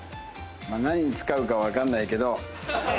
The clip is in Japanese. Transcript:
何に使うか分かんないけど。